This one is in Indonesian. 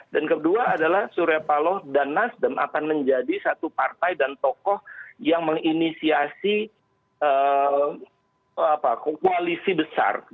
dan kedua adalah surepalo dan nasjidem akan menjadi satu partai dan tokoh yang menginisiasi koalisi besar